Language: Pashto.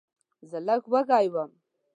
زه لږ وږی وم.